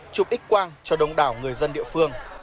chụp x quang cho đông đảo người dân địa phương